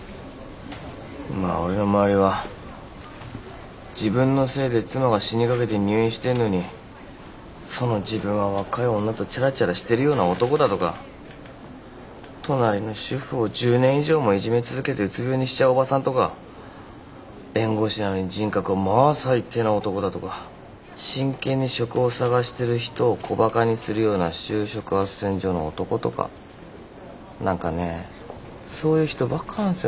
まあ俺の周りは自分のせいで妻が死にかけて入院してんのにその自分は若い女とちゃらちゃらしてるような男だとか隣の主婦を１０年以上もいじめ続けてうつ病にしちゃうおばさんとか弁護士なのに人格はまあ最低な男だとか真剣に職を探してる人を小バカにするような就職斡旋所の男とか何かねそういう人ばっかなんすよね